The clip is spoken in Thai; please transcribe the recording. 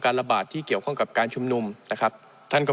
ระบาดที่เกี่ยวข้องกับการชุมนุมนะครับท่านก็